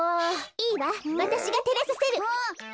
いいわわたしがてれさせる。